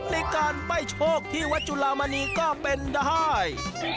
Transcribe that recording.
ในการใบ้โชคที่วัดจุลามณีก็เป็นได้